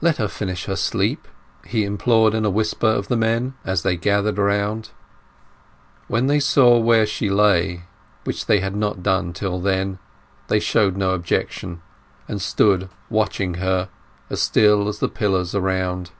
"Let her finish her sleep!" he implored in a whisper of the men as they gathered round. When they saw where she lay, which they had not done till then, they showed no objection, and stood watching her, as still as the pillars around.